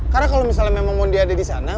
karena kalau misalnya memang mondi ada di sana